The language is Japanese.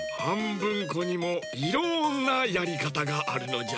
ぶんこにもいろんなやりかたがあるのじゃ。